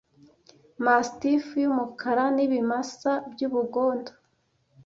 mastiffu y umukara n ibimasa by ubugondo